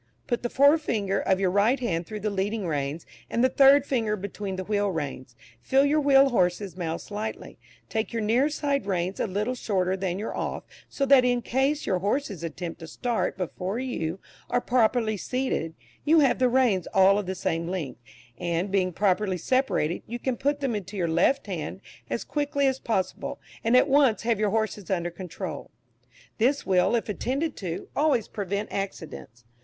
Put the forefinger of your right hand through the leading reins, and the third finger between the wheel reins, feel your wheel horses' mouths lightly, take your near side reins a little shorter than your off, so that in case your horses attempt to start before you are properly seated, you have the reins all of the same length, and, being properly separated, you can put them into your left hand as quickly as possible, and at once have your horses under control; this will, if attended to, always prevent accidents.